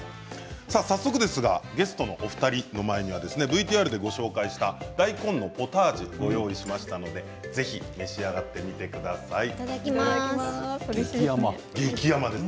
早速ですがゲストのお二人の前にはＶＴＲでご紹介した、大根のポタージュをご用意しましたのでいただきます。